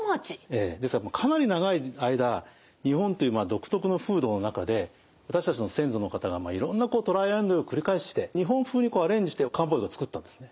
ええですからかなり長い間日本という独特の風土の中で私たちの先祖の方がいろんなトライアンドドゥを繰り返して日本風にアレンジして漢方薬を作ったんですね。